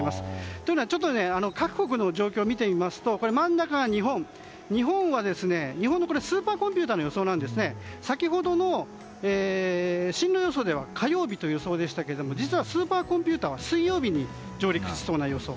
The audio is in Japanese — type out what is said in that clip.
というのは各国の状況を見てみますと真ん中が日本のスーパーコンピューターの予想なんですけど先ほどの進路予想では火曜日という予想でしたが実は、スーパーコンピューターは水曜日に上陸しそうな予想。